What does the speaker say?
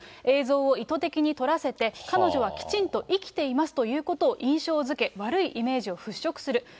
映像を意図的に撮らせて、彼女はきちんと生きていますということを印象づけ、悪いイメージを払拭する。